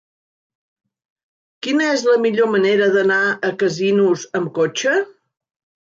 Quina és la millor manera d'anar a Casinos amb cotxe?